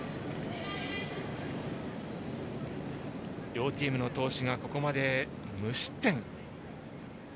両チームの投手がここまで無失点。